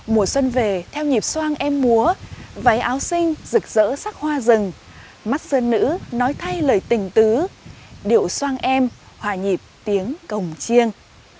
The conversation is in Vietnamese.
mùa xuân về theo nhịp soang em múa váy áo xinh rực rỡ sắc hoa rừng mắt dân nữ nói thay lời tình tứ điệu soang em hòa nhịp tiếng cồng chiêng